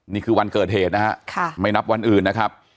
นี่คือวันเกิดเหตุนะฮะไม่นับวันอื่นนะครับ